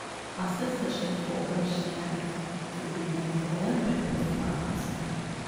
A sister ship for "Oceanic" to be named "Olympic" was planned.